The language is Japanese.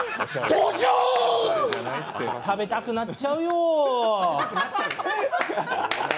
食べたくなっちゃうよ。